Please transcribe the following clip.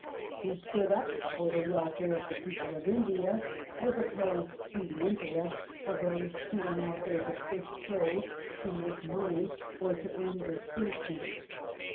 He stood up for the welfare of * the people of India as opposed to the interests of those who went out there to push trade, to make money, or to earn distinction.